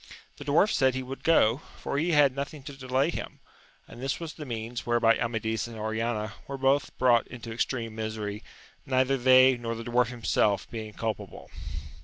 The dwarf said he would go, for he had nothing to delay him; and this was the means whereby Amadis and Oriana were both brought into extreme misery, neither they nor the dwarf himself being culpable.